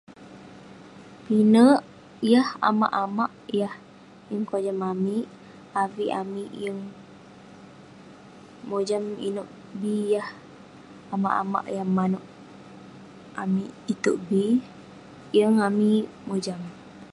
Pinek yah amak amak yah yeng kojam amik..avik amik yeng mojam inouk bi yah amak amak yah manouk amik itouk bi..yeng amik mojam..